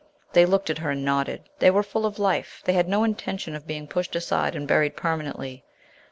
They looked at her and nodded. They were full of life; they had no intention of being pushed aside and buried permanently.